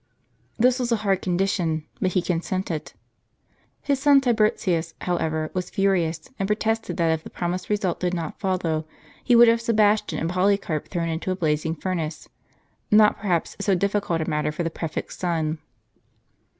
This was a hard condition, but he consented. His son Tiburtius, however, was furious, and pro tested that if the promised result did not follow, he would have Sebastian and Polycarp thrown into a blazing furnace : not perhaps so difficult a matter for the prefect's son.